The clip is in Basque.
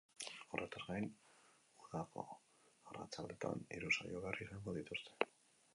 Horretaz gain, udako arratsaldeetan hiru saio berri izango dituzte.